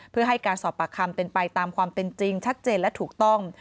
เพื่อให้การสอบปากคำเป็นไปตามความเป็นจริงชัดเจนและถูกต้อง